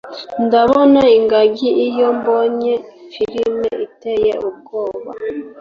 Ndabona ingagi iyo mbonye firime iteye ubwoba.